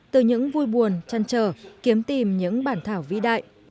từ những vui buồn chăn trở kiếm tìm những bản thảo vĩ đại